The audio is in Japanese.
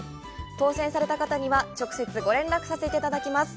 当せんされた方には、直接ご連絡させていただきます。